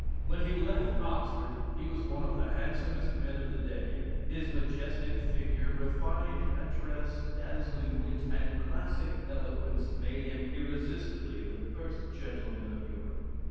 When he left Oxford, he was one of the handsomest men of the day his majestic figure, refined address, dazzling wit, and classic eloquence, made him irresistibly the "first gentleman in Europe."